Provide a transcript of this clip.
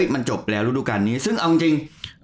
มันจบแล้วฤดูการนี้ซึ่งเอาจริง